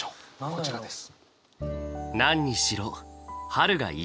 こちらです。